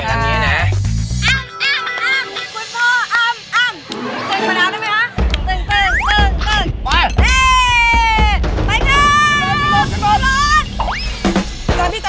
เต่งมาด้านนี้นะ